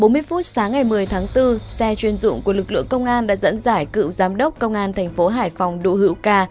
bảy h bốn mươi phút sáng ngày một mươi tháng bốn xe chuyên dụng của lực lượng công an đã dẫn giải cựu giám đốc công an tp hải phòng đỗ hữu ca